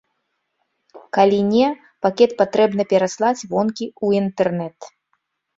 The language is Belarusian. Калі не, пакет патрэбна пераслаць вонкі ў інтэрнэт.